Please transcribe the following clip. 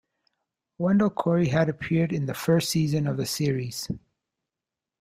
Wendell Corey had appeared in the first season of the series.